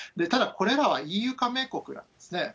ただ、これらはＥＵ加盟国なんですね。